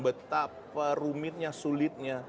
betapa rumitnya sulitnya